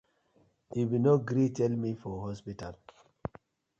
Yu been no gree tell me for hospital.